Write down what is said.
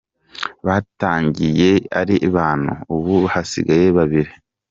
Batangiye ari batanu, ubu hasigaye babiri .